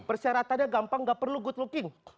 persyaratannya gampang nggak perlu good looking